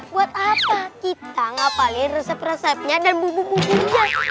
buat apa kita ngapalin resep resepnya dan bumbu bumbunya